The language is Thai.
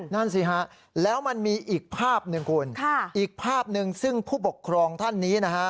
นั่นสิฮะแล้วมันมีอีกภาพหนึ่งคุณอีกภาพหนึ่งซึ่งผู้ปกครองท่านนี้นะฮะ